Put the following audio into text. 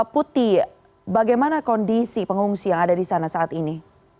putih bagaimana kondisi pengungsi yang ada di sana saat ini